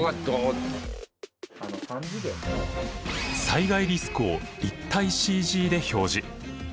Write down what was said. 災害リスクを立体ＣＧで表示。